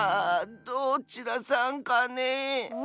どちらさんかねえ？